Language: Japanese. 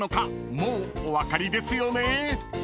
もうお分かりですよね？］